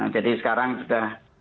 jadi sekarang sudah